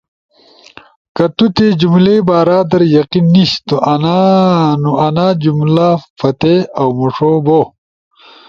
کہ تو تی جملئی بارا در یقین نیِش نو انا جملہ پھاتے اؤ مُݜو بو۔